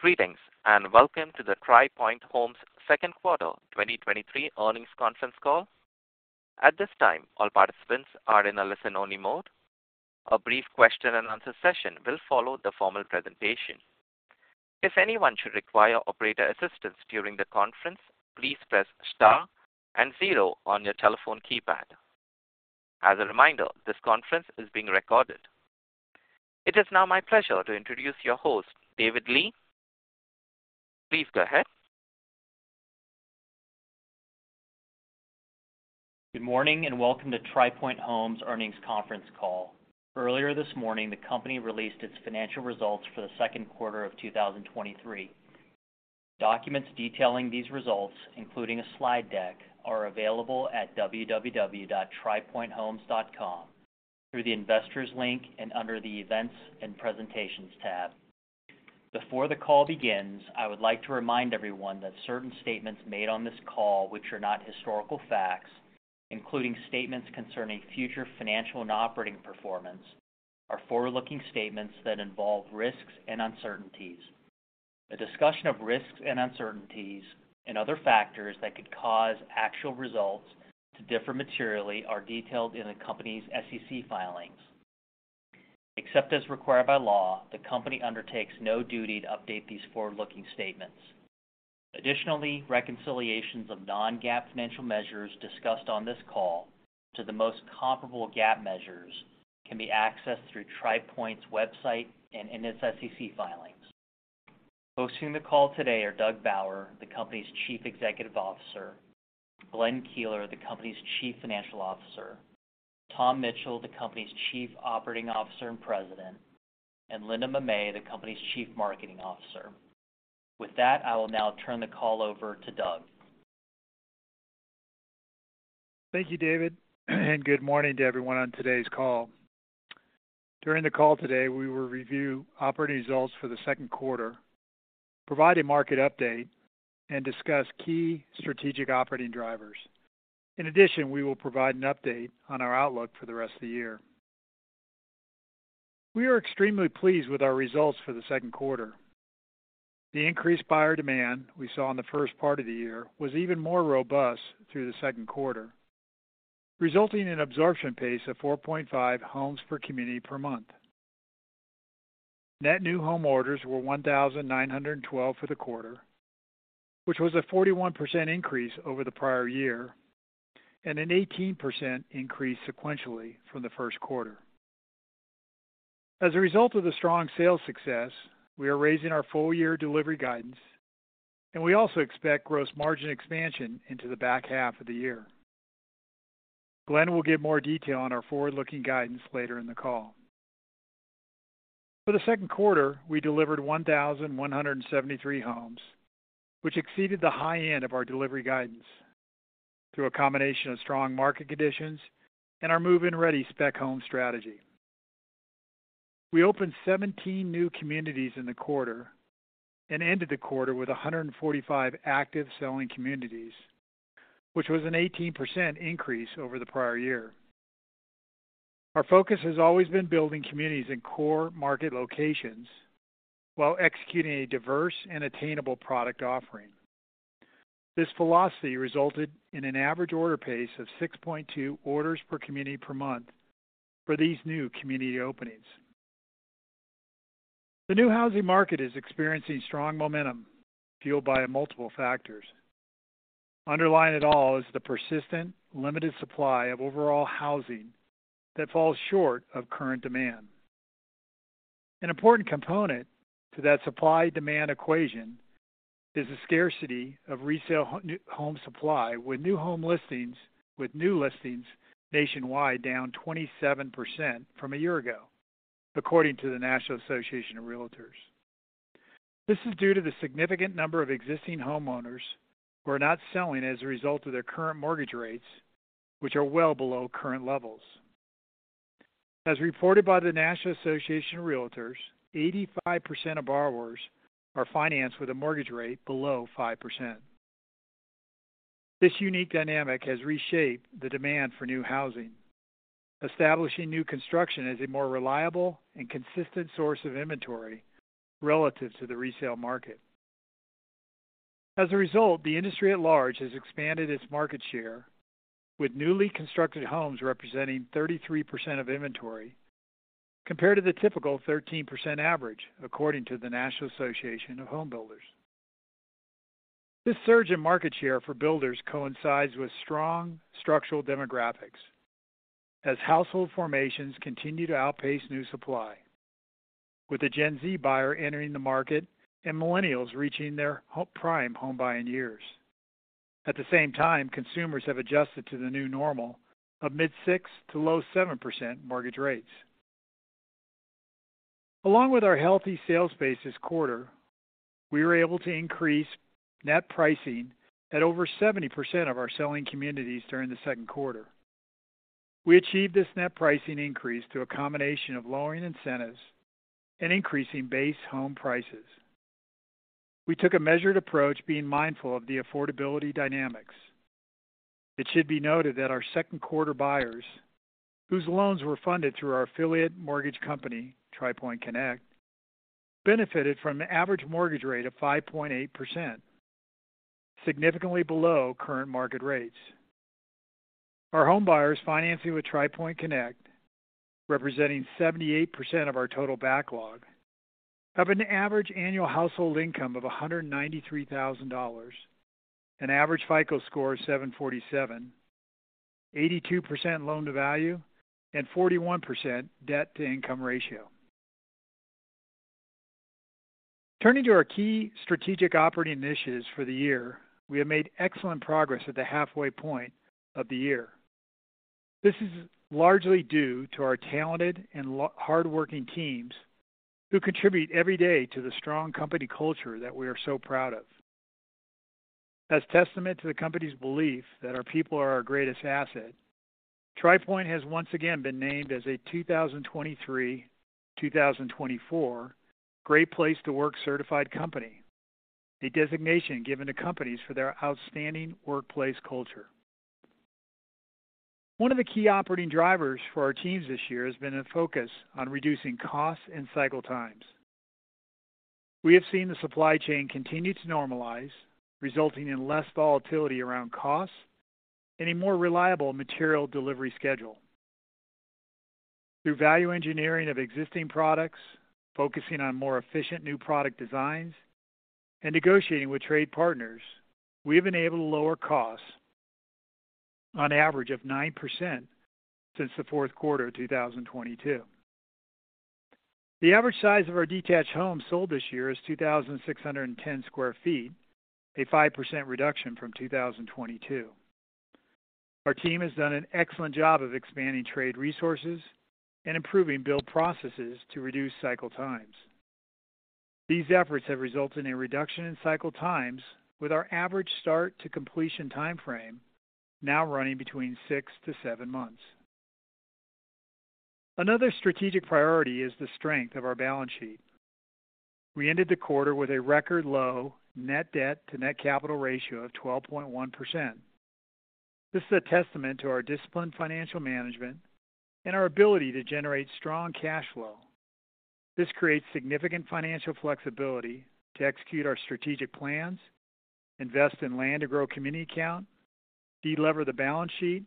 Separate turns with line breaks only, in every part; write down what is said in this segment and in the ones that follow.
Greetings, welcome to the Tri Pointe Homes Q2 2023 earnings conference call. At this time, all participants are in a listen-only mode. A brief question-and-answer session will follow the formal presentation. If anyone should require operator assistance during the conference, please press star and zero on your telephone keypad. As a reminder, this conference is being recorded. It is now my pleasure to introduce your host, David Lee. Please go ahead.
Good morning, welcome to Tri Pointe Homes earnings conference call. Earlier this morning, the company released its financial results for the Q2 of 2023. Documents detailing these results, including a slide deck, are available at www.tripointehomes.com through the Investors link and under the Events and Presentations tab. Before the call begins, I would like to remind everyone that certain statements made on this call, which are not historical facts, including statements concerning future financial and operating performance, are forward-looking statements that involve risks and uncertainties. A discussion of risks and uncertainties and other factors that could cause actual results to differ materially are detailed in the company's SEC filings. Except as required by law, the company undertakes no duty to update these forward-looking statements. Additionally, reconciliations of non-GAAP financial measures discussed on this call to the most comparable GAAP measures can be accessed through Tri Pointe's website and in its SEC filings. Hosting the call today are Doug Bauer, the company's Chief Executive Officer, Glenn Keeler, the company's Chief Financial Officer, Tom Mitchell, the company's Chief Operating Officer and President, and Linda Mamet, the company's Chief Marketing Officer. With that, I will now turn the call over to Doug.
Thank you, David, and good morning to everyone on today's call. During the call today, we will review operating results for the Q2, provide a market update, and discuss key strategic operating drivers. In addition, we will provide an update on our outlook for the rest of the year. We are extremely pleased with our results for the Q2. The increased buyer demand we saw in the first part of the year was even more robust through the Q2, resulting in an absorption pace of 4.5 homes per community per month. Net new home orders were 1,912 for the quarter, which was a 41% increase over the prior year and an 18% increase sequentially from the Q1. As a result of the strong sales success, we are raising our full-year delivery guidance. We also expect gross margin expansion into the back half of the year. Glenn will give more detail on our forward-looking guidance later in the call. For the Q2, we delivered 1,173 homes, which exceeded the high end of our delivery guidance through a combination of strong market conditions and our move-in-ready spec home strategy. We opened 17 new communities in the quarter and ended the quarter with 145 active selling communities, which was an 18% increase over the prior year. Our focus has always been building communities in core market locations while executing a diverse and attainable product offering. This philosophy resulted in an average order pace of 6.2 orders per community per month for these new community openings. The new housing market is experiencing strong momentum fueled by multiple factors. Underlying it all is the persistent, limited supply of overall housing that falls short of current demand. An important component to that supply-demand equation is the scarcity of resale new home supply, with new listings nationwide down 27% from a year ago, according to the National Association of Realtors. This is due to the significant number of existing homeowners who are not selling as a result of their current mortgage rates, which are well below current levels. As reported by the National Association of Realtors, 85% of borrowers are financed with a mortgage rate below 5%. This unique dynamic has reshaped the demand for new housing, establishing new construction as a more reliable and consistent source of inventory relative to the resale market. As a result, the industry at large has expanded its market share, with newly constructed homes representing 33% of inventory, compared to the typical 13% average, according to the National Association of Home Builders. This surge in market share for builders coincides with strong structural demographics as household formations continue to outpace new supply, with the Gen Z buyer entering the market and millennials reaching their prime home buying years. At the same time, consumers have adjusted to the new normal of mid-6% - low 7% mortgage rates. Along with our healthy sales base this quarter, we were able to increase net pricing at over 70% of our selling communities during the Q2. We achieved this net pricing increase through a combination of lowering incentives and increasing base home prices. We took a measured approach, being mindful of the affordability dynamics. It should be noted that our Q2 buyers, whose loans were funded through our affiliated mortgage company, Tri Pointe Connect, benefited from an average mortgage rate of 5.8%, significantly below current market rates. Our homebuyers financing with Tri Pointe Connect, representing 78% of our total backlog, have an average annual household income of $193,000, an average FICO score of 747, 82% loan to value, and 41% debt to income ratio. Turning to our key strategic operating initiatives for the year, we have made excellent progress at the halfway point of the year. This is largely due to our talented and hardworking teams, who contribute every day to the strong company culture that we are so proud of. As testament to the company's belief that our people are our greatest asset, Tri Pointe has once again been named as a 2023/2024 Great Place to Work-Certified company, a designation given to companies for their outstanding workplace culture. One of the key operating drivers for our teams this year has been a focus on reducing costs and cycle times. We have seen the supply chain continue to normalize, resulting in less volatility around costs and a more reliable material delivery schedule. Through value engineering of existing products, focusing on more efficient new product designs, and negotiating with trade partners, we have been able to lower costs on average of 9% since the Q4 of 2022. The average size of our detached homes sold this year is 2,610 sq ft, a 5% reduction from 2022. Our team has done an excellent job of expanding trade resources and improving build processes to reduce cycle times. These efforts have resulted in a reduction in cycle times, with our average start to completion time frame now running between six to seven months. Another strategic priority is the strength of our balance sheet. We ended the quarter with a record low net debt to net capital ratio of 12.1%. This is a testament to our disciplined financial management and our ability to generate strong cash flow. This creates significant financial flexibility to execute our strategic plans, invest in land to grow community account, delever the balance sheet,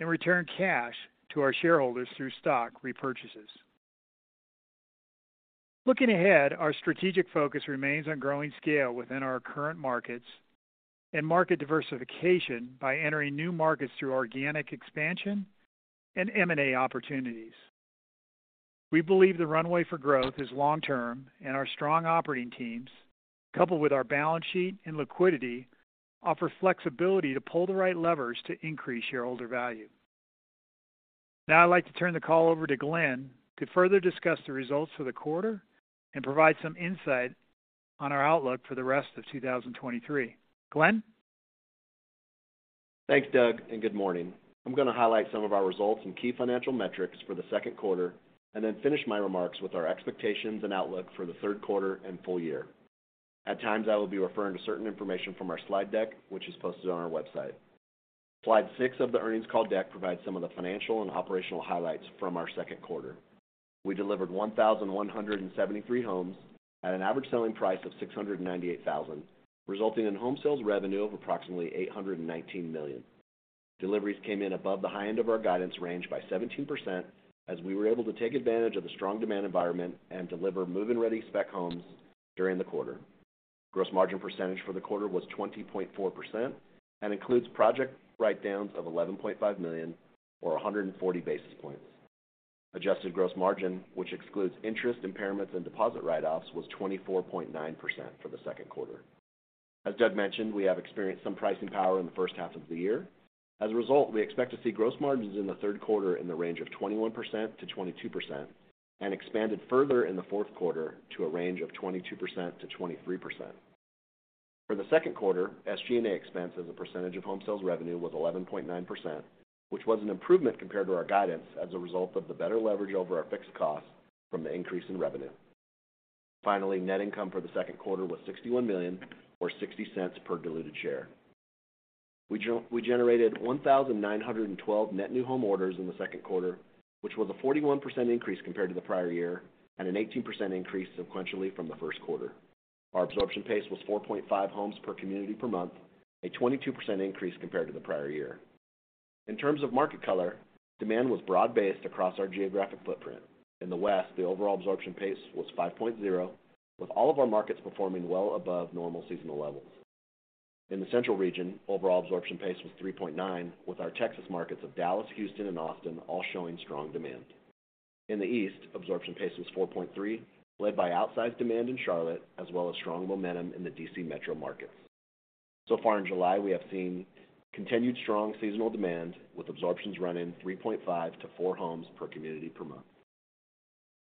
and return cash to our shareholders through stock repurchases. Looking ahead, our strategic focus remains on growing scale within our current markets and market diversification by entering new markets through organic expansion and M&A opportunities. We believe the runway for growth is long-term, and our strong operating teams, coupled with our balance sheet and liquidity, offer flexibility to pull the right levers to increase shareholder value. Now I'd like to turn the call over to Glenn to further discuss the results for the quarter and provide some insight on our outlook for the rest of 2023. Glenn?
Thanks, Doug. Good morning. I'm going to highlight some of our results and key financial metrics for the Q2, then finish my remarks with our expectations and outlook for the Q3 and full year. At times, I will be referring to certain information from our slide deck, which is posted on our website. Slide 6 of the earnings call deck provides some of the financial and operational highlights from our Q2. We delivered 1,173 homes at an average selling price of $698,000, resulting in home sales revenue of approximately $819 million. Deliveries came in above the high end of our guidance range by 17%, as we were able to take advantage of the strong demand environment and deliver move-in-ready spec homes during the quarter. Gross margin percentage for the quarter was 20.4% and includes project write-downs of $11.5 million, or 140 basis points. Adjusted gross margin, which excludes interest impairments and deposit write-offs, was 24.9% for the Q2. As Doug mentioned, we have experienced some pricing power in the first half of the year. As a result, we expect to see gross margins in the Q3 in the range of 21%-22% and expanded further in the Q4 to a range of 22%-23%. For the Q2, SG&A expense as a percentage of home sales revenue was 11.9%, which was an improvement compared to our guidance as a result of the better leverage over our fixed costs from the increase in revenue. Net income for the Q2 was $61 million, or $0.60 per diluted share. We generated 1,912 net new home orders in the Q2, which was a 41% increase compared to the prior year and an 18% increase sequentially from the Q1. Our absorption pace was 4.5 homes per community per month, a 22% increase compared to the prior year. In terms of market color, demand was broad-based across our geographic footprint. In the West, the overall absorption pace was 5.0, with all of our markets performing well above normal seasonal levels. In the central region, overall absorption pace was 3.9, with our Texas markets of Dallas, Houston, and Austin all showing strong demand. In the East, absorption pace was 4.3, led by outsized demand in Charlotte, as well as strong momentum in the DC metro market. So far in July, we have seen continued strong seasonal demand, with absorptions running 3.5 to 4 homes per community per month.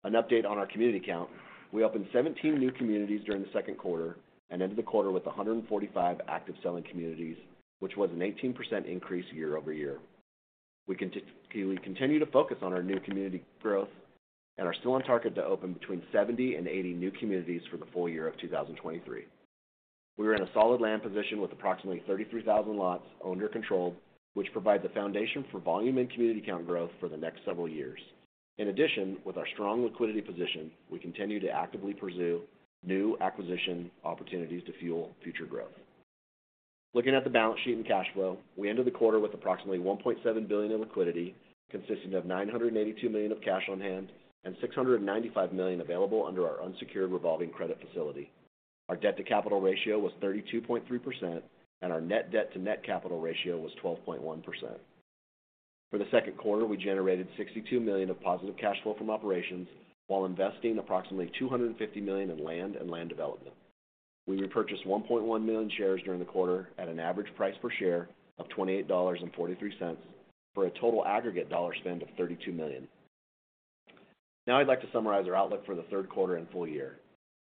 An update on our community count. We opened 17 new communities during the Q2 and ended the quarter with 145 active selling communities, which was an 18% increase year-over-year. We continue to focus on our new community growth and are still on target to open between 70 and 80 new communities for the full year of 2023. We are in a solid land position with approximately 33,000 lots owned or controlled, which provide the foundation for volume and community count growth for the next several years. In addition, with our strong liquidity position, we continue to actively pursue new acquisition opportunities to fuel future growth. Looking at the balance sheet and cash flow, we ended the quarter with approximately $1.7 billion in liquidity, consisting of $982 million of cash on hand and $695 million available under our unsecured revolving credit facility. Our debt-to-capital ratio was 32.3%, and our net debt to net capital ratio was 12.1%. For the Q2, we generated $62 million of positive cash flow from operations while investing approximately $250 million in land and land development. We repurchased 1.1 million shares during the quarter at an average price per share of $28.43, for a total aggregate dollar spend of $32 million. I'd like to summarize our outlook for the Q3 and full year.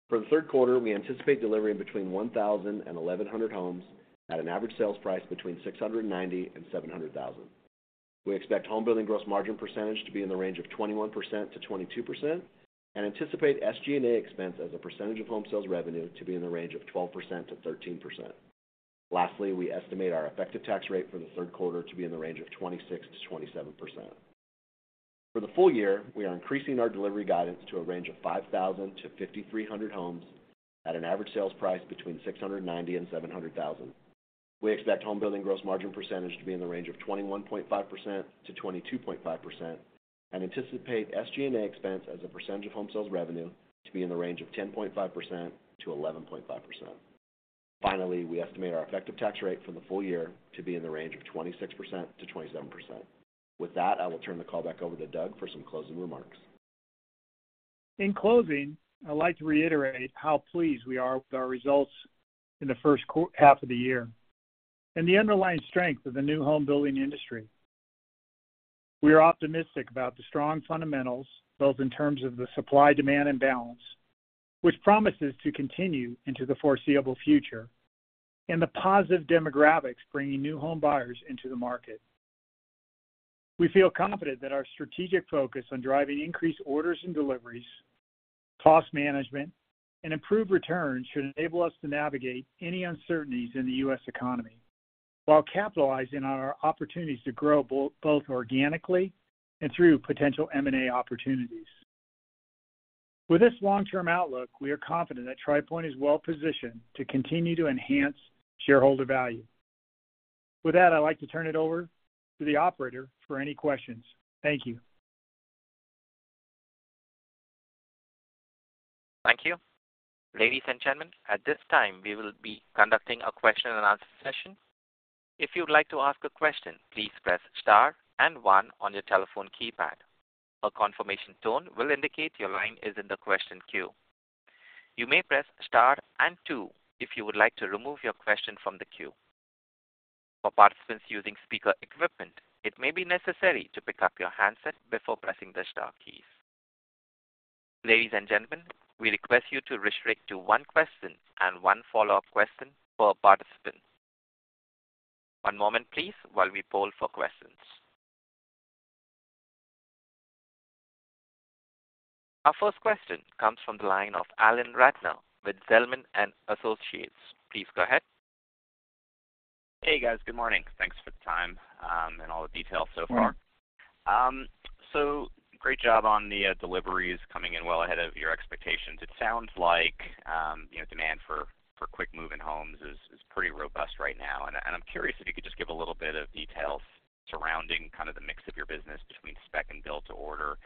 For the Q3, we anticipate delivering between 1,000 and 1,100 homes at an average sales price between $690,000 and $700,000. We expect homebuilding gross margin percentage to be in the range of 21%-22% and anticipate SG&A expense as a percentage of home sales revenue to be in the range of 12%-13%. Lastly, we estimate our effective tax rate for the Q3 to be in the range of 26%-27%. For the full year, we are increasing our delivery guidance to a range of 5,000 to 5,300 homes at an average sales price between $690,000 and $700,000. We expect homebuilding gross margin percentage to be in the range of 21.5%-22.5% and anticipate SG&A expense as a percentage of home sales revenue to be in the range of 10.5%-11.5%. Finally, we estimate our effective tax rate for the full year to be in the range of 26%-27%. With that, I will turn the call back over to Doug for some closing remarks.
In closing, I'd like to reiterate how pleased we are with our results in the first half of the year and the underlying strength of the new home building industry. We are optimistic about the strong fundamentals, both in terms of the supply, demand, and balance, which promises to continue into the foreseeable future, and the positive demographics bringing new home buyers into the market. We feel confident that our strategic focus on driving increased orders and deliveries, cost management, and improved returns should enable us to navigate any uncertainties in the U.S. economy while capitalizing on our opportunities to grow both organically and through potential M&A opportunities. With this long-term outlook, we are confident that Tri Pointe is well positioned to continue to enhance shareholder value. I'd like to turn it over to the operator for any questions. Thank you.
Thank you. Ladies and gentlemen, at this time, we will be conducting a question and answer session. If you'd like to ask a question, please press star and 1 on your telephone keypad. A confirmation tone will indicate your line is in the question queue. You may press star and 2 if you would like to remove your question from the queue. For participants using speaker equipment, it may be necessary to pick up your handset before pressing the star keys. Ladies and gentlemen, we request you to restrict to one question and one follow-up question per participant. One moment, please, while we poll for questions. Our first question comes from the line of Alan Ratner with Zelman & Associates. Please go ahead.
Hey, guys. Good morning. Thanks for the time, and all the details so far. Great job on the deliveries coming in well ahead of your expectations. It sounds like, you know, demand for quick move-in homes is pretty robust right now, and I'm curious if you could just give a little bit of detail surrounding kind of the mix of your business between spec and build to order,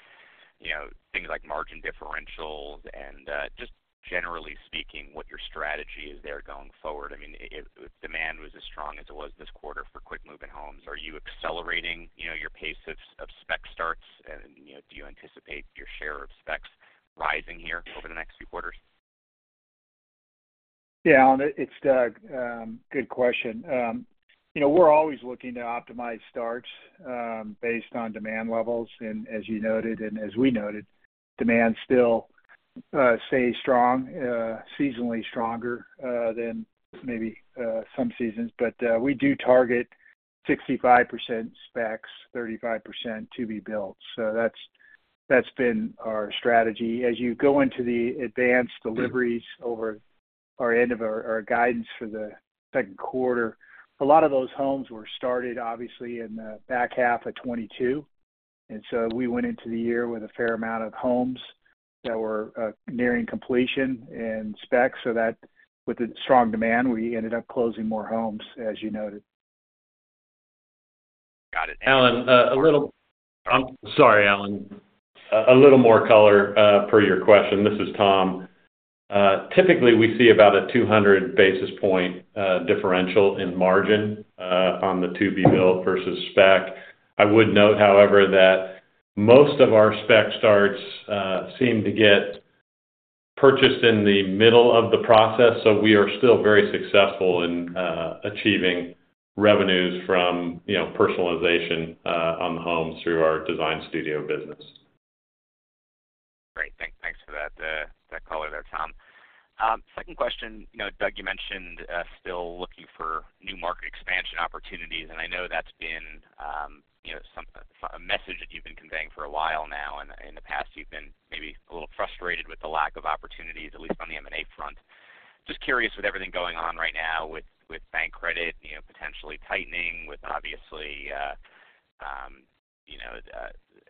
you know, things like margin differentials and just generally speaking, what your strategy is there going forward. I mean, if demand was as strong as it was this quarter for quick move-in homes, are you accelerating, you know, your pace of spec starts? You know, do you anticipate your share of specs rising here over the next few quarters?
Yeah, Alan, it's Doug, good question. You know, we're always looking to optimize starts, based on demand levels. As you noted, and as we noted, demand still stays strong, seasonally stronger than maybe some seasons. We do target 65% specs, 35% - be built. That's been our strategy. As you go into the advanced deliveries over our guidance for the Q2, a lot of those homes were started obviously in the back half of 2022, we went into the year with a fair amount of homes that were nearing completion and spec. That with the strong demand, we ended up closing more homes, as you noted.
Got it.
Alan, I'm sorry, Alan. A little more color for your question. This is Tom. Typically, we see about a 200 basis point differential in margin on the to-be-built versus spec. I would note, however, that most of our spec starts seem to get purchased in the middle of the process, so we are still very successful in achieving revenues from, you know, personalization on the homes through our design studio business.
Second question, you know, Doug, you mentioned, still looking for new market expansion opportunities, and I know that's been, you know, a message that you've been conveying for a while now. In the past, you've been maybe a little frustrated with the lack of opportunities, at least on the M&A front. Just curious, with everything going on right now with bank credit, you know, potentially tightening, with obviously, you know,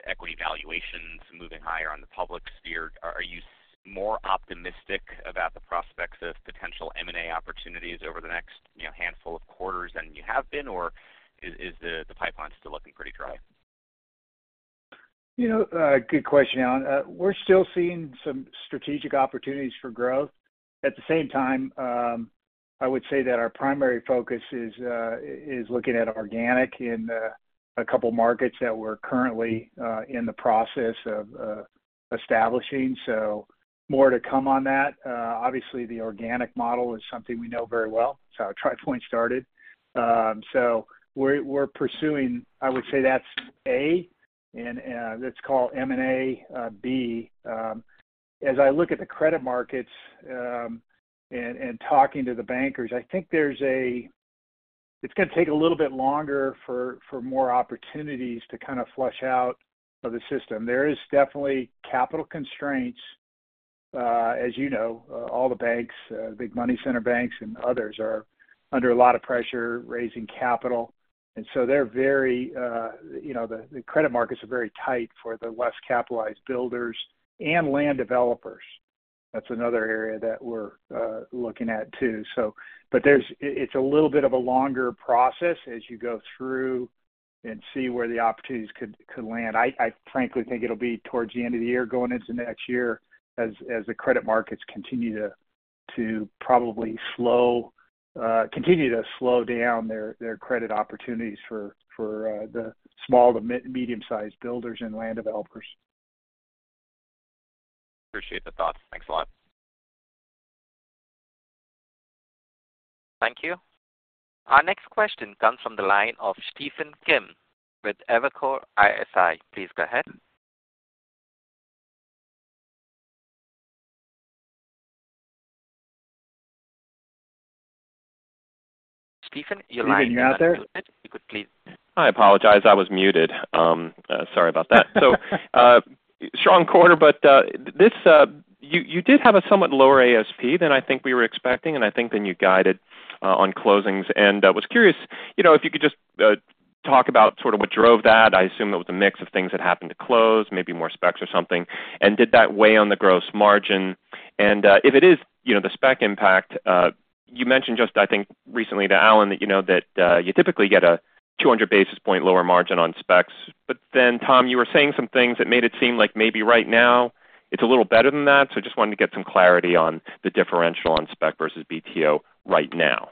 equity valuations moving higher on the public sphere, are you more optimistic about the prospects of potential M&A opportunities over the next, you know, handful of quarters than you have been? Or is the pipeline still looking pretty dry?
You know, good question, Alan. We're still seeing some strategic opportunities for growth. At the same time, I would say that our primary focus is looking at organic in a couple markets that we're currently in the process of establishing, so more to come on that. Obviously, the organic model is something we know very well. It's how Tri Pointe started. We're pursuing. I would say that's A, and let's call M&A, B. As I look at the credit markets, and talking to the bankers, I think it's going to take a little bit longer for more opportunities to kind of flush out of the system. There is definitely capital constraints. As all the banks, big money center banks and others are under a lot of pressure raising capital, and so they're very, the credit markets are very tight for the less capitalized builders and land developers. That's another area that we're looking at too. There's, it's a little bit of a longer process as you go through and see where the opportunities could land. I frankly think it'll be towards the end of the year, going into next year, as the credit markets continue to probably slow, continue to slow down their credit opportunities for the small to medium-sized builders and land developers.
Appreciate the thoughts. Thanks a lot.
Thank you. Our next question comes from the line of Stephen Kim with Evercore ISI. Please go ahead. Stephen, your line is not muted. If you could please-
I apologize. I was muted. Sorry about that. Strong quarter, but this, you did have a somewhat lower ASP than I think we were expecting, and I think than you guided on closings. I was curious, you know, if you could just talk about sort of what drove that. I assume it was a mix of things that happened to close, maybe more specs or something, and did that weigh on the gross margin? If it is, you know, the spec impact, you mentioned just I think recently to Alan, that you know, that you typically get a 200 basis point lower margin on specs. Tom, you were saying some things that made it seem like maybe right now it's a little better than that. Just wanted to get some clarity on the differential on spec versus BTO right now.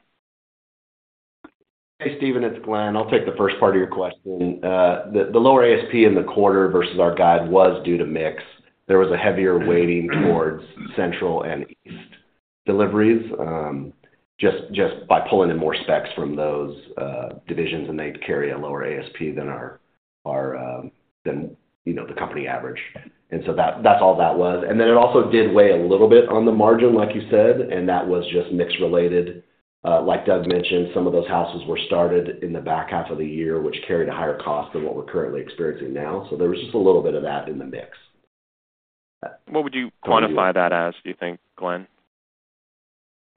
Hey, Stephen, it's Glenn. I'll take the first part of your question. The lower ASP in the quarter versus our guide was due to mix. There was a heavier weighting towards Central and East deliveries, just by pulling in more specs from those divisions, and they carry a lower ASP than our, you know, the company average. That's all that was. It also did weigh a little bit on the margin, like you said, and that was just mix related. Like Doug mentioned, some of those houses were started in the back half of the year, which carried a higher cost than what we're currently experiencing now. There was just a little bit of that in the mix.
What would you quantify that as, do you think, Glenn?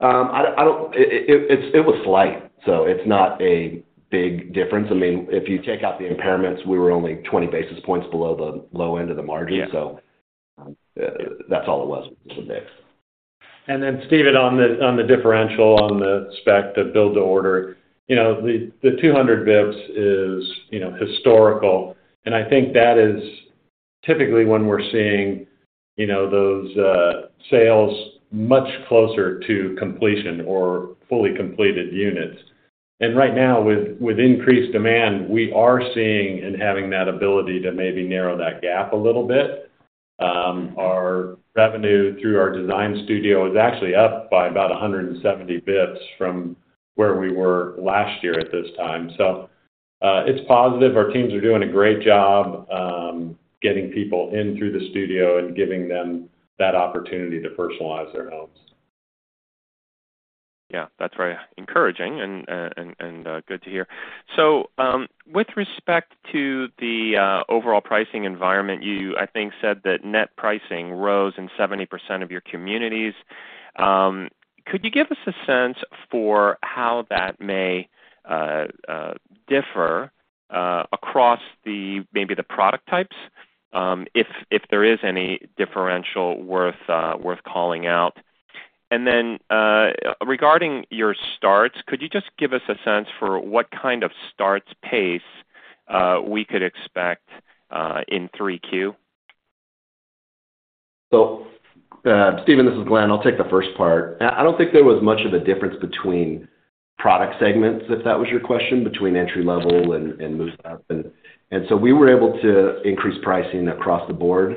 I don't. It was slight, so it's not a big difference. I mean, if you take out the impairments, we were only 20 basis points below the low end of the margin.
Yeah.
That's all it was, was mix.
Stephen, on the differential, on the spec, the build to order, you know, the 200 BPS is, you know, historical, and I think that is typically when we're seeing, you know, those sales much closer to completion or fully completed units. Right now, with increased demand, we are seeing and having that ability to maybe narrow that gap a little bit. Our revenue through our design studio is actually up by about 170 BPS from where we were last year at this time. It's positive. Our teams are doing a great job, getting people in through the studio and giving them that opportunity to personalize their homes.
Yeah, that's very encouraging and good to hear. With respect to the overall pricing environment, you, I think, said that net pricing rose in 70% of your communities. Could you give us a sense for how that may differ across the, maybe the product types, if there is any differential worth calling out? Regarding your starts, could you just give us a sense for what kind of starts pace we could expect in 3Q?
Stephen, this is Glenn. I'll take the first part. I don't think there was much of a difference between product segments, if that was your question, between entry level and move up. We were able to increase pricing across the board,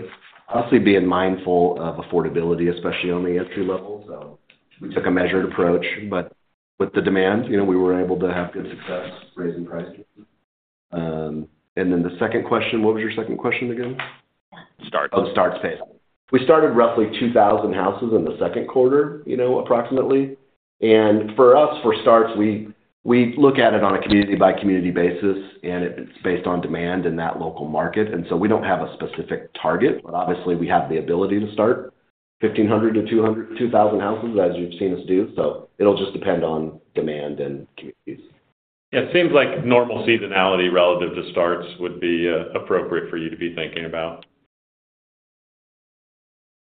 obviously being mindful of affordability, especially on the entry level. We took a measured approach, but with the demand, you know, we were able to have good success raising prices. The second question, what was your second question again? On starts pace. We started roughly 2,000 houses in the Q2, you know, approximately. For us, for starts, we look at it on a community by community basis, and it's based on demand in that local market. We don't have a specific target, but obviously we have the ability to start 1,500 to 2,000 houses, as you've seen us do. It'll just depend on demand and communities.
It seems like normal seasonality relative to starts would be appropriate for you to be thinking about.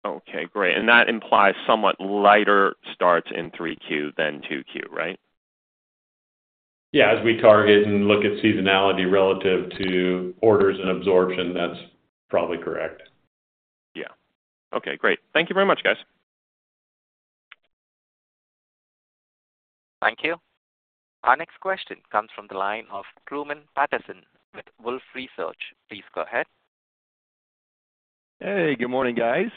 Okay, great. That implies somewhat lighter starts in three Q than two Q, right?
As we target and look at seasonality relative to orders and absorption, that's probably correct.
Yeah. Okay, great. Thank you very much, guys.
Thank you. Our next question comes from the line of Truman Patterson with Wolfe Research. Please go ahead.
Hey, good morning, guys.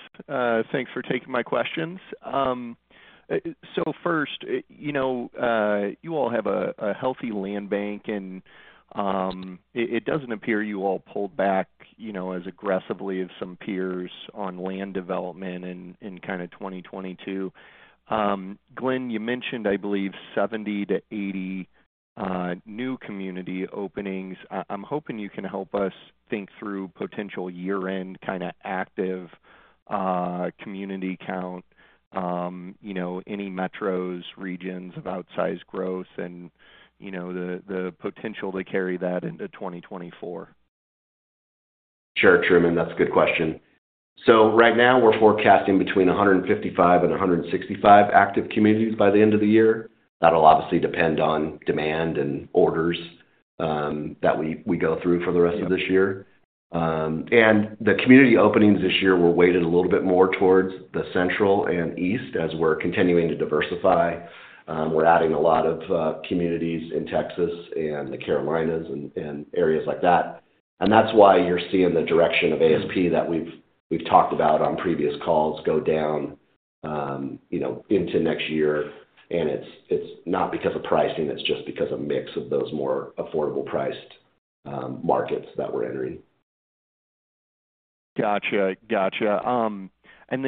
Thanks for taking my questions. First, you know, you all have a healthy land bank, and it doesn't appear you all pulled back, you know, as aggressively as some peers on land development in kind of 2022. Glenn, you mentioned, I believe, 70 to 80 new community openings. I'm hoping you can help us think through potential year-end kind of active community count, you know, any metros, regions of outsized growth and, you know, the potential to carry that into 2024.
Sure, Truman, that's a good question. Right now, we're forecasting between 155 and 165 active communities by the end of the year. That'll obviously depend on demand and orders that we go through for the rest of this year. The community openings this year were weighted a little bit more towards the Central and East as we're continuing to diversify. We're adding a lot of communities in Texas and the Carolinas and areas like that. That's why you're seeing the direction of ASP that we've talked about on previous calls go down, you know, into next year. It's not because of pricing, it's just because of mix of those more affordable priced markets that we're entering.
Gotcha.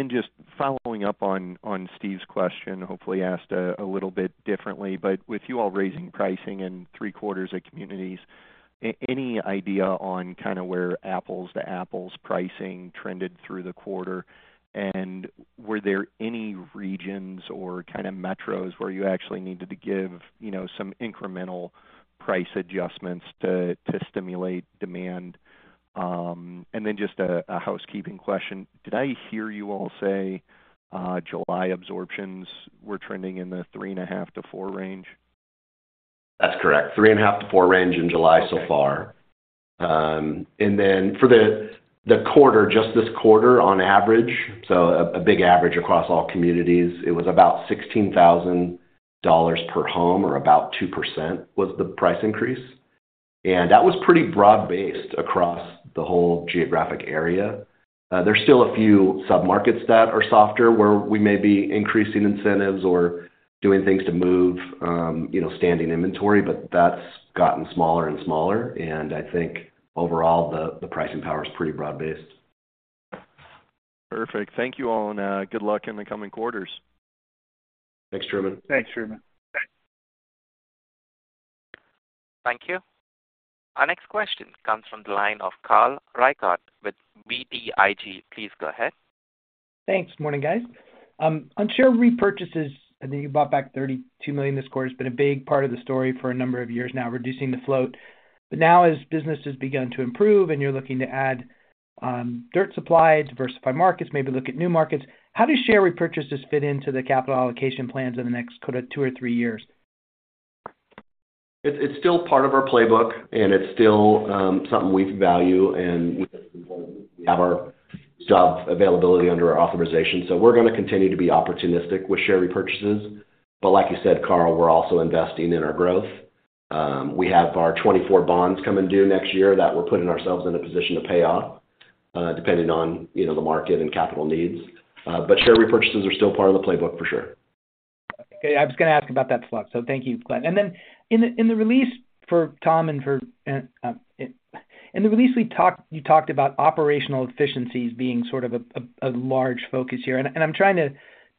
Just following up on Steve's question, hopefully asked a little bit differently, but with you all raising pricing in three quarters of communities, any idea on kind of where apples to apples pricing trended through the quarter? Were there any regions or kind of metros where you actually needed to give, you know, some incremental price adjustments to stimulate demand? Just a housekeeping question. Did I hear you all say July absorptions were trending in the 3.5-4 range?
That's correct. 3.5-4 range in July so far. For the quarter, just this quarter on average, so a big average across all communities, it was about $16,000 per home or about 2% was the price increase. That was pretty broad-based across the whole geographic area. There's still a few submarkets that are softer, where we may be increasing incentives or doing things to move, you know, standing inventory, but that's gotten smaller and smaller, and I think overall, the pricing power is pretty broad-based.
Perfect. Thank you all, and good luck in the coming quarters.
Thanks, Truman.
Thanks, Truman.
Thank you. Our next question comes from the line of Carl Reichardt with BTIG. Please go ahead.
Thanks. Morning, guys. On share repurchases, I know you bought back $32 million this quarter. It's been a big part of the story for a number of years now, reducing the float. Now as business has begun to improve and you're looking to add dirt supply, diversify markets, maybe look at new markets, how do share repurchases fit into the capital allocation plans in the next 2 or 3 years?
It's still part of our playbook, and it's still something we value and we have our job availability under our authorization. We're going to continue to be opportunistic with share repurchases. Like you said, Carl, we're also investing in our growth. We have our 2024 bonds coming due next year that we're putting ourselves in a position to pay off, depending on, you know, the market and capital needs. Share repurchases are still part of the playbook, for sure.
Okay. I was going to ask about that bond, so thank you, Glenn. In the release, you talked about operational efficiencies being sort of a large focus here, and I'm trying to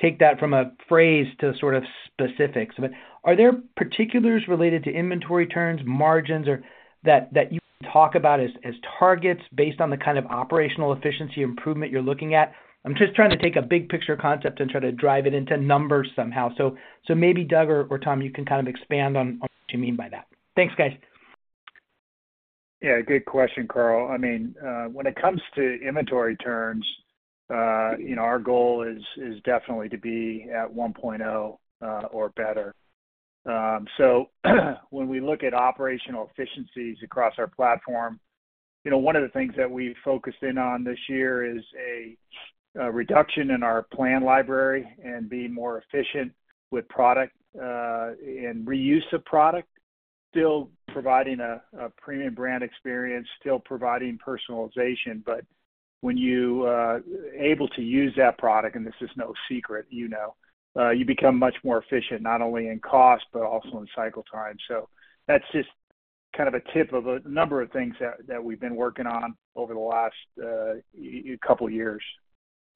take that from a phrase to sort of specifics, but are there particulars related to inventory turns, margins, or that you can talk about as targets based on the kind of operational efficiency improvement you're looking at? I'm just trying to take a big picture concept and try to drive it into numbers somehow. Maybe Doug or Tom, you can kind of expand on what you mean by that. Thanks, guys.
Yeah, good question, Carl. I mean, when it comes to inventory turns, you know, our goal is definitely to be at 1.0 or better. When we look at operational efficiencies across our platform, you know, one of the things that we focused in on this year is a reduction in our plan library and being more efficient with product and reuse of product, still providing a premium brand experience, still providing personalization. When you able to use that product, and this is no secret, you know, you become much more efficient, not only in cost, but also in cycle time. That's just kind of a tip of a number of things that we've been working on over the last couple years.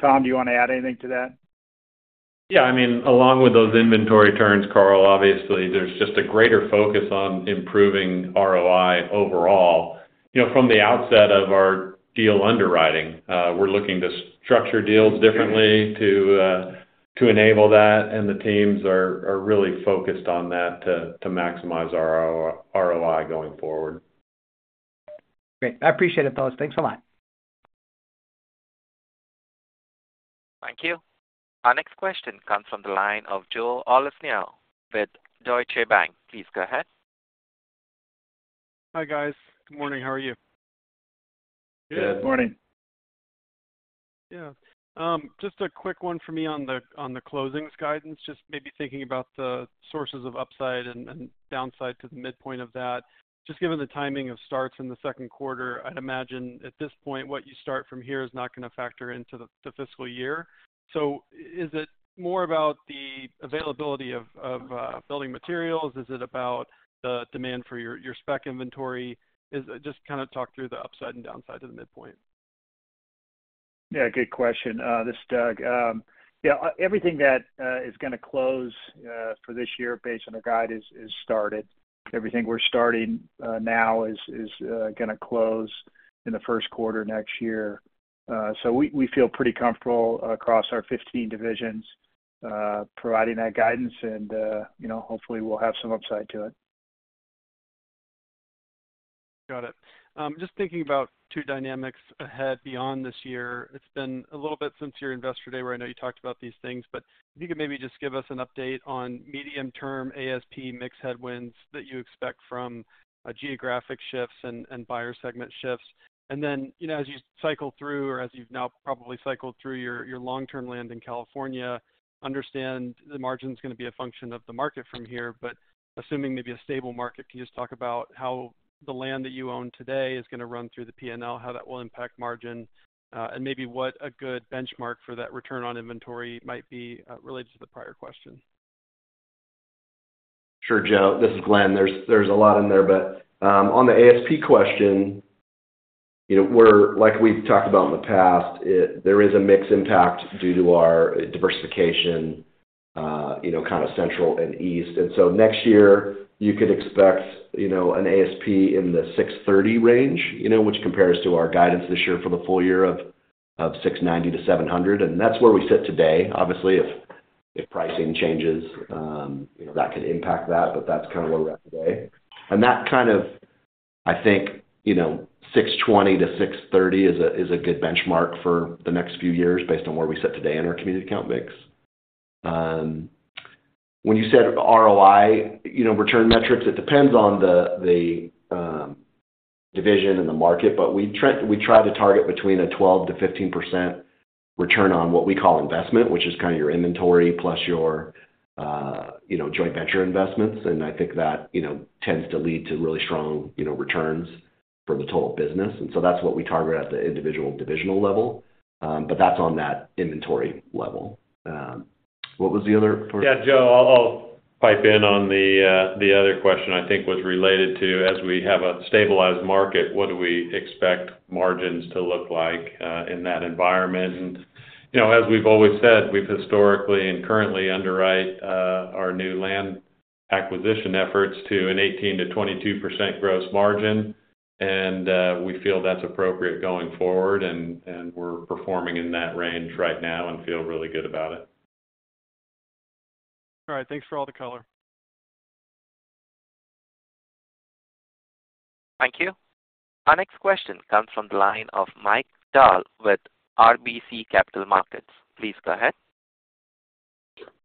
Tom, do you want to add anything to that?
Yeah, I mean, along with those inventory turns, Carl, obviously, there's just a greater focus on improving ROI overall. You know, from the outset of our deal underwriting, we're looking to structure deals differently to enable that, and the teams are really focused on that to maximize our ROI going forward.
Great. I appreciate it, fellas. Thanks a lot.
Thank you. Our next question comes from the line of Joe Ahlersmeyer with Deutsche Bank. Please go ahead.
Hi, guys. Good morning. How are you?
Good morning.
Good.
Yeah. Just a quick one for me on the closings guidance. Just maybe thinking about the sources of upside and downside to the midpoint of that. Just given the timing of starts in the Q2, I'd imagine at this point, what you start from here is not going to factor into the fiscal year. Is it more about the availability of building materials? Is it about the demand for your spec inventory? Just kind of talk through the upside and downside to the midpoint.
Yeah, good question. This is Doug. Yeah, everything that is going to close for this year, based on the guide, is started. Everything we're starting now is going to close in the Q1 next year. We feel pretty comfortable across our 15 divisions, providing that guidance and, you know, hopefully, we'll have some upside to it.
Got it. Just thinking about 2 dynamics ahead beyond this year. It's been a little bit since your Investor Day, where I know you talked about these things, but if you could maybe just give us an update on medium-term ASP mix headwinds that you expect from geographic shifts and buyer segment shifts. You know, as you cycle through or as you've now probably cycled through your long-term land in California, understand the margin's going to be a function of the market from here. Assuming maybe a stable market, can you just talk about how the land that you own today is going to run through the P&L, how that will impact margin, and maybe what a good benchmark for that return on inventory might be related to the prior question?
Sure, Joe. This is Glenn. There's a lot in there, but on the ASP question, you know, like we've talked about in the past, there is a mix impact due to our diversification, you know, kind of Central and East. Next year, you could expect, you know, an ASP in the $630 range, you know, which compares to our guidance this year for the full year of $690-$700, and that's where we sit today. Obviously, if pricing changes, you know, that could impact that, but that's kind of where we're at today. That kind of, I think, you know, $620-$630 is a good benchmark for the next few years, based on where we sit today in our community count mix. When you said ROI, you know, return metrics, it depends on the division and the market, but we try to target between a 12%-15% return on what we call investment, which is kind of your inventory plus your, you know, joint venture investments. I think that, you know, tends to lead to really strong, you know, returns for the total business. That's what we target at the individual divisional level, but that's on that inventory level. What was the other part?
Joe, I'll pipe in on the other question I think was related to, as we have a stabilized market, what do we expect margins to look like in that environment? You know, as we've always said, we've historically and currently underwrite our new land acquisition efforts to an 18%-22% gross margin, and we feel that's appropriate going forward, and we're performing in that range right now and feel really good about it.
All right. Thanks for all the color.
Thank you. Our next question comes from the line of Mike Dahl with RBC Capital Markets. Please go ahead.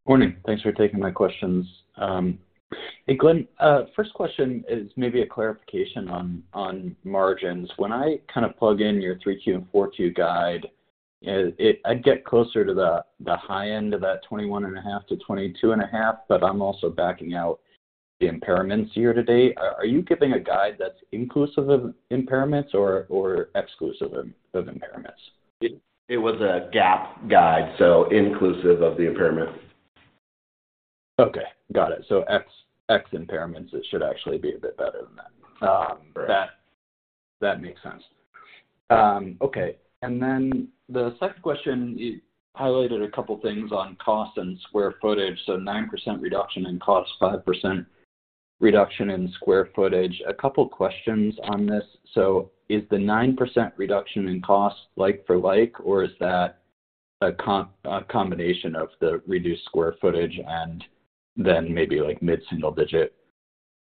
Morning. Thanks for taking my questions. Hey, Glenn, first question is maybe a clarification on margins. When I kind of plug in your 3Q and 4Q guide, I get closer to the high end of that 21.5%-22.5%, but I'm also backing out the impairments year to date. Are you giving a guide that's inclusive of impairments or exclusive of impairments?
It was a GAAP guide, inclusive of the impairment.
Okay, got it. ex impairments, it should actually be a bit better than that.
Right.
That makes sense. Okay, the second question, you highlighted a couple things on cost and square footage, so 9% reduction in cost, 5% reduction in square footage. A couple questions on this: Is the 9% reduction in cost like for like, or is that a combination of the reduced square footage and then maybe, like, mid-single-digit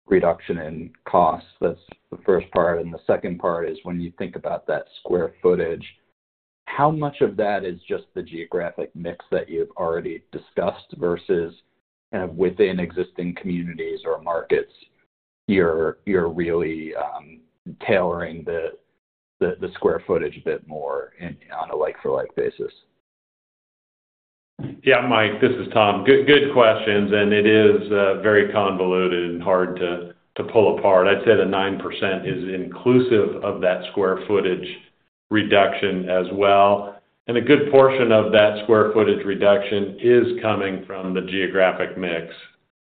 reduction in costs? That's the first part. The second part is, when you think about that square footage, how much of that is just the geographic mix that you've already discussed versus kind of within existing communities or markets, you're really tailoring the square footage a bit more in, on a like for like basis?
Yeah, Mike, this is Tom. Good questions, and it is very convoluted and hard to pull apart. I'd say the 9% is inclusive of that square footage reduction as well. A good portion of that square footage reduction is coming from the geographic mix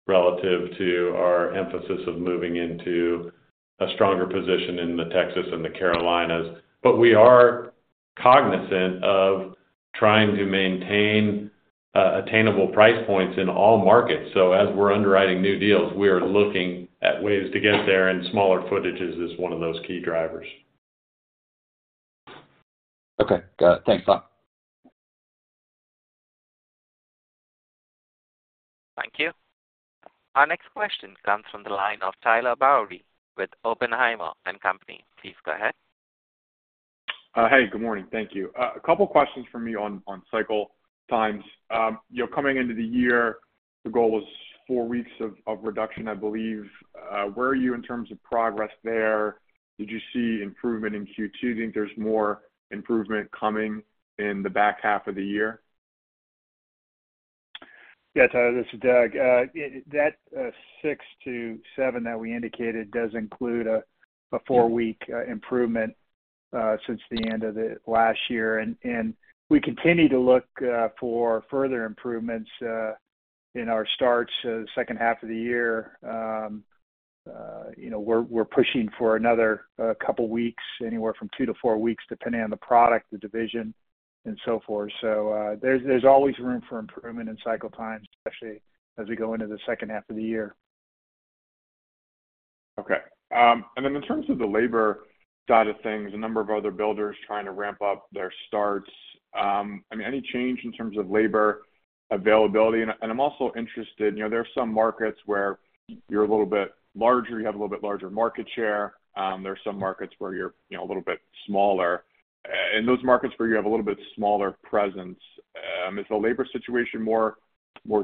relative to our emphasis of moving into a stronger position in the Texas and the Carolinas. We are cognizant of trying to maintain attainable price points in all markets. As we're underwriting new deals, we are looking at ways to get there, and smaller footages is one of those key drivers.
Okay, got it. Thanks. Bye.
Thank you. Our next question comes from the line of Tyler Batory with Oppenheimer & Co. Please go ahead.
Hey, good morning. Thank you. A couple questions for me on cycle times. You know, coming into the year, the goal was four weeks of reduction, I believe. Where are you in terms of progress there? Did you see improvement in Q2? Do you think there's more improvement coming in the back half of the year?
Yes, Tyler, this is Doug. that 6-7 that we indicated does include a 4-week improvement since the end of the last year, and we continue to look for further improvements in our starts the second half of the year. you know, we're pushing for another couple of weeks, anywhere from 2-4 weeks, depending on the product, the division, and so forth. There's always room for improvement in cycle times, especially as we go into the second half of the year.
Okay. In terms of the labor side of things, a number of other builders trying to ramp up their starts. I mean, any change in terms of labor availability? I'm also interested, you know, there are some markets where you're a little bit larger, you have a little bit larger market share. There are some markets where you're, you know, a little bit smaller. In those markets where you have a little bit smaller presence, is the labor situation more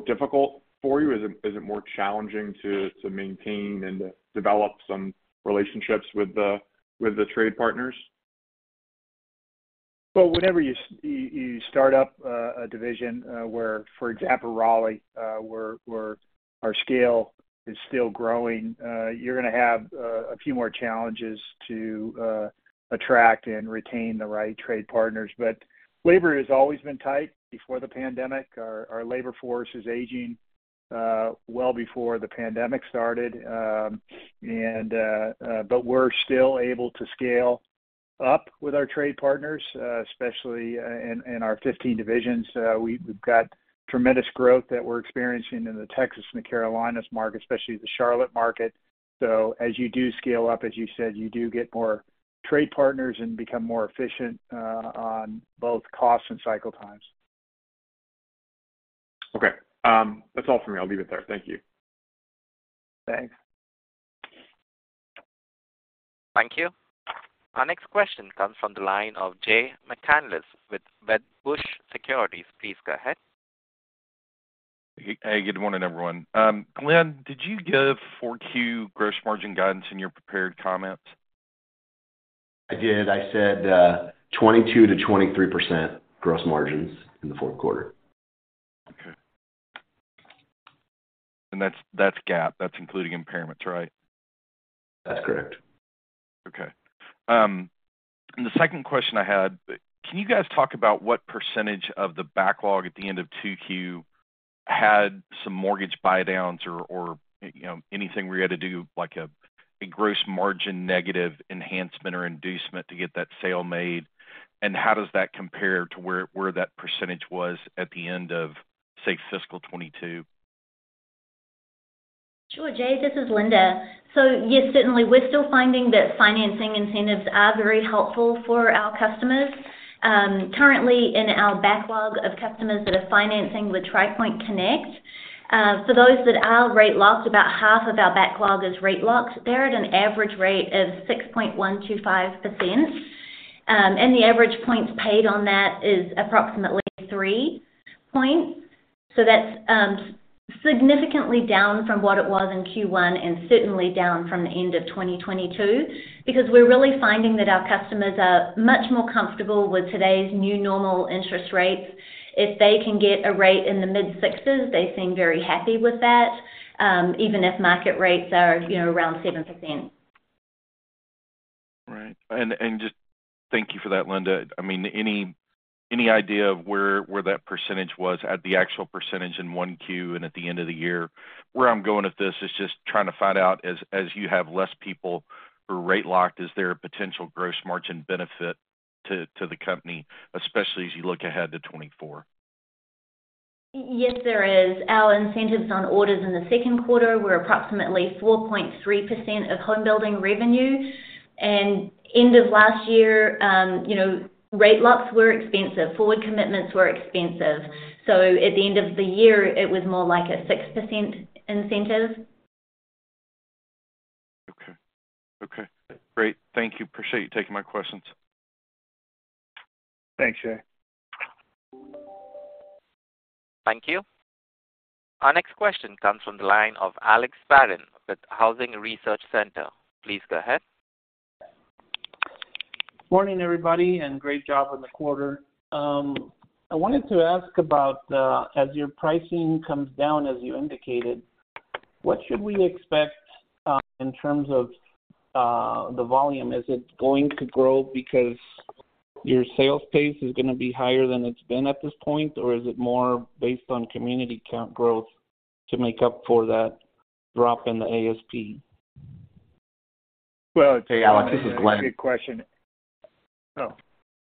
difficult for you? Is it more challenging to maintain and to develop some relationships with the trade partners?
Well, whenever you start up a division, where, for example, Raleigh, where our scale is still growing, you're going to have a few more challenges to attract and retain the right trade partners. Labor has always been tight before the pandemic. Our labor force is aging well before the pandemic started. We're still able to scale up with our trade partners, especially in our 15 divisions. We've got tremendous growth that we're experiencing in the Texas and the Carolinas market, especially the Charlotte market. As you do scale up, as you said, you do get more trade partners and become more efficient on both costs and cycle times.
Okay. That's all for me. I'll leave it there. Thank you.
Thanks.
Thank you. Our next question comes from the line of Jay McCanless with Wedbush Securities. Please go ahead.
Hey, good morning, everyone. Glenn, did you give four Q gross margin guidance in your prepared comments?
I did. I said, 22%-23% gross margins in the Q4.
Okay. That's GAAP, that's including impairments, right?
That's correct.
Okay. The second question I had, can you guys talk about what percentage of the backlog at the end of 2Q had some mortgage buydowns or, you know, anything where you had to do like a gross margin, negative enhancement or inducement to get that sale made? How does that compare to where that percentage was at the end of, say, fiscal 2022?
Sure, Jay, this is Linda. Yes, certainly, we're still finding that financing incentives are very helpful for our customers. Currently, in our backlog of customers that are financing with Tri Pointe Connect, for those that are rate locked, about half of our backlog is rate locked. They're at an average rate of 6.125%, and the average points paid on that is approximately 3 points. That's significantly down from what it was in Q1 and certainly down from the end of 2022, because we're really finding that our customers are much more comfortable with today's new normal interest rates. If they can get a rate in the mid sixes, they seem very happy with that, even if market rates are, you know, around 7%.
Right. Just thank you for that, Linda. I mean, any idea of where that percentage was at, the actual percentage in 1Q and at the end of the year? Where I'm going with this is just trying to find out, as you have less people who are rate locked, is there a potential gross margin benefit to the company, especially as you look ahead to 2024?
Yes, there is. Our incentives on orders in the Q2 were approximately 4.3% of home building revenue. End of last year, you know, rate locks were expensive, forward commitments were expensive. At the end of the year, it was more like a 6% incentive.
Okay. Okay, great. Thank you. Appreciate you taking my questions.
Thanks, Jay.
Thank you. Our next question comes from the line of Alex Barrón, with Housing Research Center. Please go ahead.
Morning, everybody, and great job on the quarter. I wanted to ask about, as your pricing comes down, as you indicated...... What should we expect, in terms of, the volume? Is it going to grow because your sales pace is going to be higher than it's been at this point, or is it more based on community count growth to make up for that drop in the ASP?
Well-
Hey, Alex, this is Glenn.
Good question. Oh,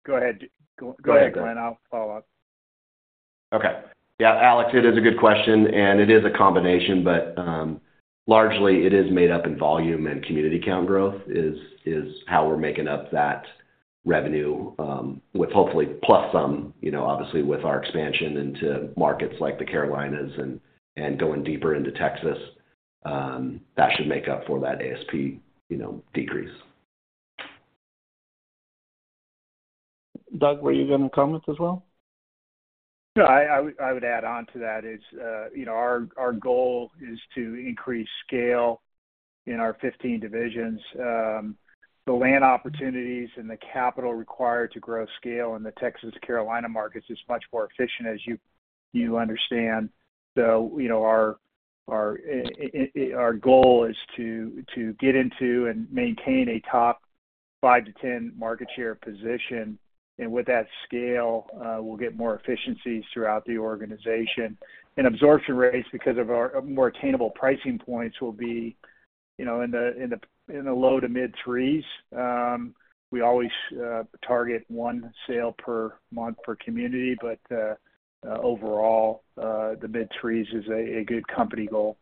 go ahead. Go ahead, Glenn. I'll follow up.
Okay. Yeah, Alex, it is a good question. It is a combination, but largely it is made up in volume and community count growth is how we're making up that revenue, with hopefully plus some, you know, obviously, with our expansion into markets like the Carolinas and going deeper into Texas. That should make up for that ASP, you know, decrease.
Doug, were you going to comment as well?
No, I would add on to that is, you know, our goal is to increase scale in our 15 divisions. The land opportunities and the capital required to grow scale in the Texas Carolinas markets is much more efficient, as you understand. You know, our goal is to get into and maintain a top 5-10 market share position, and with that scale, we'll get more efficiencies throughout the organization. Absorption rates, because of our more attainable pricing points, will be, you know, in the low to mid threes. We always target one sale per month per community, overall, the mid threes is a good company goal.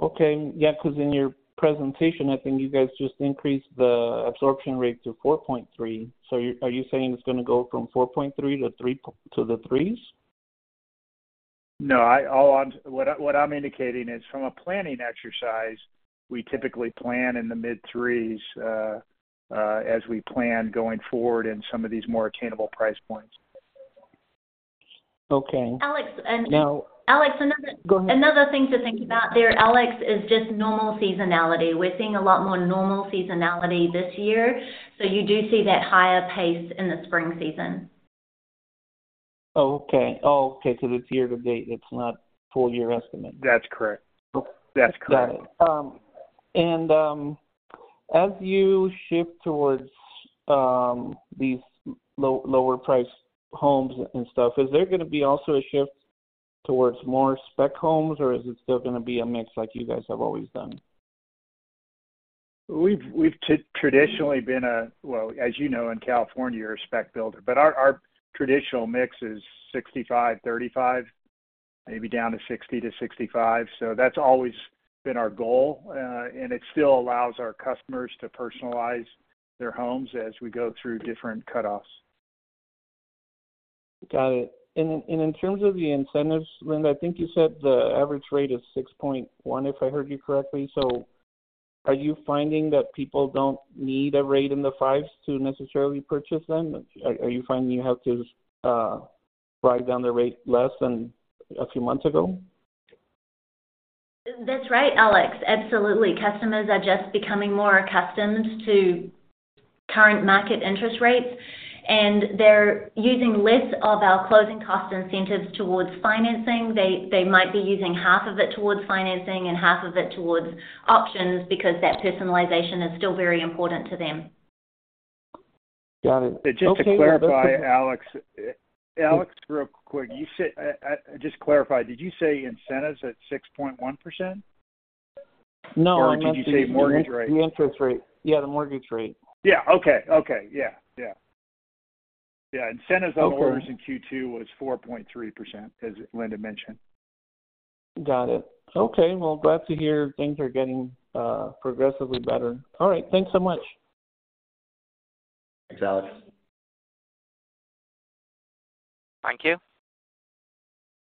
Okay. Yeah, because in your presentation, I think you guys just increased the absorption rate to 4.3. Are you saying it's going to go from 4.3 to 3, to the threes?
No, I, all I'm indicating is from a planning exercise, we typically plan in the mid 3s, as we plan going forward in some of these more attainable price points.
Okay.
Alex.
Now-
Alex, another-
Go ahead.
Another thing to think about there, Alex, is just normal seasonality. We're seeing a lot more normal seasonality this year, so you do see that higher pace in the spring season.
Oh, okay. Oh, okay, it's year to date, it's not full year estimate.
That's correct.
Okay.
That's correct.
As you shift towards these lower priced homes and stuff, is there going to be also a shift towards more spec homes, or is it still going to be a mix like you guys have always done?
We've traditionally been a well, as you know, in California, we're a spec builder, but our traditional mix is 65, 35, maybe down to 60 to 65. That's always been our goal, and it still allows our customers to personalize their homes as we go through different cutoffs.
Got it. In terms of the incentives, Linda, I think you said the average rate is 6.1, if I heard you correctly. Are you finding that people don't need a rate in the fives to necessarily purchase them? Are you finding you have to drive down the rate less than a few months ago?
That's right, Alex. Absolutely. Customers are just becoming more accustomed to current market interest rates. They're using less of our closing cost incentives towards financing. They might be using half of it towards financing and half of it towards options, because that personalization is still very important to them.
Got it. Okay.
Just to clarify, Alex. Alex, real quick. You said, just to clarify, did you say incentives at 6.1%?
No,
Did you say mortgage rate?
The interest rate. Yeah, the mortgage rate.
Yeah. Okay. Yeah. Yeah, incentives.
Okay
on orders in Q2 was 4.3%, as Linda mentioned.
Got it. Okay, well, glad to hear things are getting progressively better. All right, thanks so much.
Thanks, Alex.
Thank you.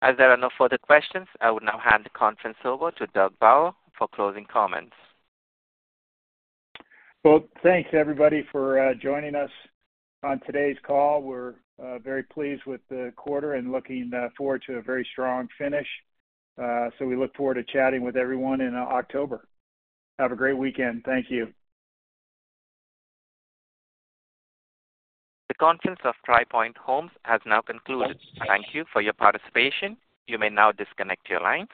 As there are no further questions, I will now hand the conference over to Doug Bauer for closing comments.
Well, thanks, everybody, for joining us on today's call. We're very pleased with the quarter and looking forward to a very strong finish. We look forward to chatting with everyone in October. Have a great weekend. Thank you.
The conference of Tri Pointe Homes has now concluded. Thank you for your participation. You may now disconnect your lines.